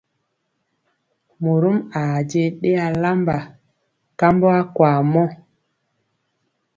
Morom aa je ɗe alamba kambɔ akwaa mɔ.